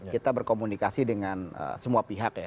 kita berkomunikasi dengan semua pihak ya